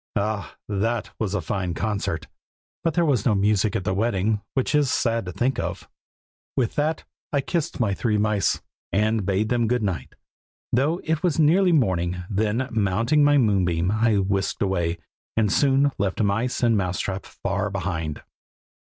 Ah! that was a fine concert! but there was no music at the wedding, which is sad to think of." With that I kissed my three mice, and bade them good night, though it was nearly morning; then mounting my moonbeam I whisked away, and soon left mice and mouse trap far behind.